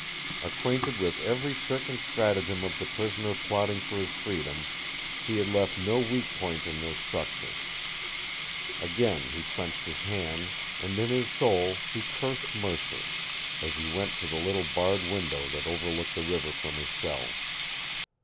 Acquainted with every trick and stratagem of the prisoner plotting for his freedom, he had left no weak point in their structure. Again he clenched his hands, and in his soul he cursed Mercer as he went to the little barred window that overlooked the river from his cell.